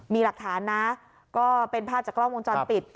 มีหลักฐานนะก็เป็นภาพจากกล้องวงจรปิด